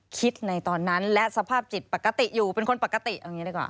คิดในตอนนั้นและสภาพจิตปกติอยู่เป็นคนปกติเอาอย่างนี้ดีกว่า